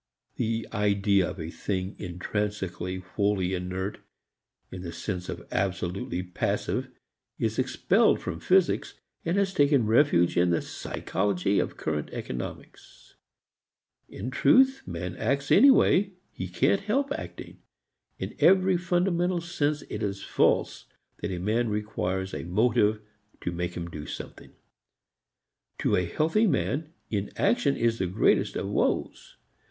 The idea of a thing intrinsically wholly inert in the sense of absolutely passive is expelled from physics and has taken refuge in the psychology of current economics. In truth man acts anyway, he can't help acting. In every fundamental sense it is false that a man requires a motive to make him do something. To a healthy man inaction is the greatest of woes.